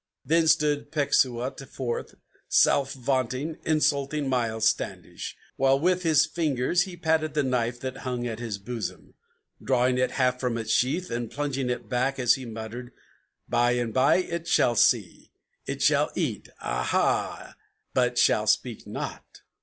Then stood Pecksuot forth, self vaunting, insulting Miles Standish: While with his fingers he patted the knife that hung at his bosom, Drawing it half from its sheath, and plunging it back, as he muttered, "By and by it shall see; it shall eat; ah, ha! but shall speak not!